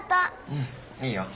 うんいいよ。